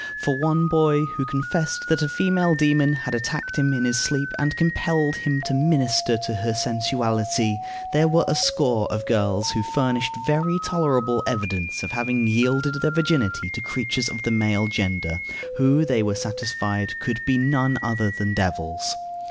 For one boy who confessed that a female demon had attacked him in his sleep, and compelled him to minister to her sensuality, there were a score of girls who furnished very tolerable evidence of having yielded their virginity to creatures of the male gender, who, they were satisfied, could be none other than devils.